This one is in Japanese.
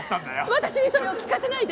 私にそれを聞かせないで！